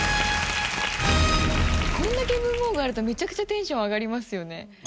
これだけ文房具あるとめちゃくちゃテンション上がりますよね。